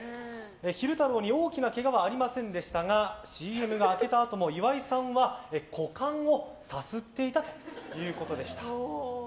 昼太郎に大きなけがはありませんでしたがＣＭが明けたあとも岩井さんは股間をさすっていたということでした。